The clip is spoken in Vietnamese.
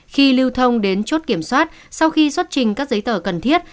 khi lưu thông đến chốt kiểm soát sau khi xuất trình các giấy tờ cần thiết